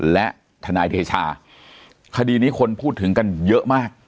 และทนายเดชาคดีนี้คนพูดถึงกันเยอะมาก